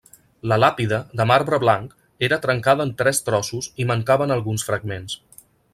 La làpida, de marbre blanc, era trencada en tres trossos i mancaven alguns fragments.